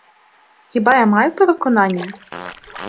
Хіба я маю переконання?